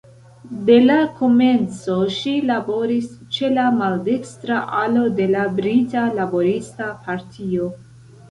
De la komenco ŝi laboris ĉe la maldekstra alo de la Brita Laborista Partio.